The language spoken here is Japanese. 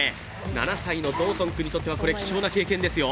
７歳のドーソン君にとっては貴重な経験ですよ。